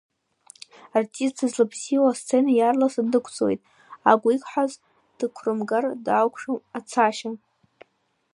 Артист дызлабзиоу асцена иаарласны дықәҵуеит, агә иқәҳаз дықәрымгар дақәшәом ацашьа.